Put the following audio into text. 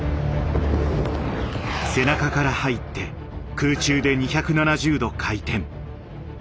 背中から入って空中で２７０度回転。